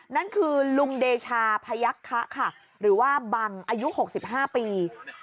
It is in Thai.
นั่นคือลุงเดชาพยักษะค่ะหรือว่าบังอายุ๖๕ปี